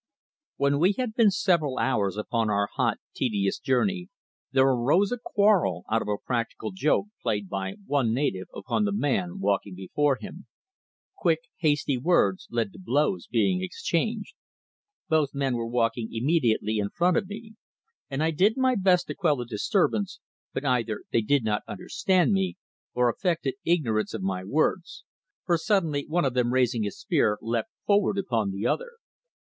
WHEN we had been several hours upon our hot, tedious journey there arose a quarrel out of a practical joke played by one native upon the man walking before him. Quick, hasty words led to blows being exchanged. Both men were walking immediately in front of me, and I did my best to quell the disturbance, but either they did not understand me or affected ignorance of my words, for suddenly one of them raising his spear leapt forward upon the other.